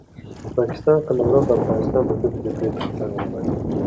د پاکستان قلمرو د افغانستان پرضد د جګړې تخته وګڼي.